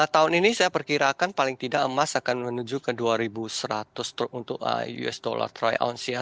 tahun ini saya perkirakan paling tidak emas akan menuju ke dua seratus untuk usd troy ounce ya